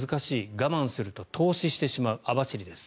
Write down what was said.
我慢すると凍死してしまう網走です。